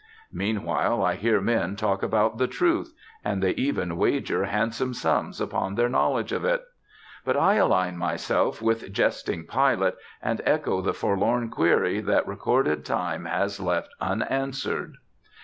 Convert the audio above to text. Meanwhile I hear men talk about "the truth"; and they even wager handsome sums upon their knowledge of it: but I align myself with "jesting Pilate," and echo the forlorn query that recorded time has left unanswered....